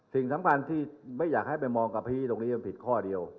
สิ่งสำคัญที่ไม่อยากให้ไปมองกับพี่ตรงนี้มันผิดข้อเดียว